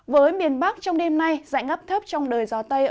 với miền bắc trong đêm nay dạng ấp thấp trong đời gió tây